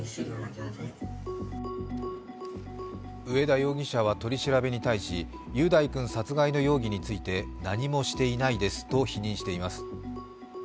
上田容疑者は、取り調べに対し雄大君殺害の容疑について何もしていないですと否認しています。